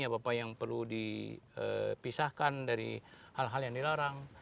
apa apa yang perlu dipisahkan dari hal hal yang dilarang